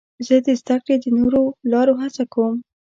زه د زدهکړې د نوو لارو هڅه کوم.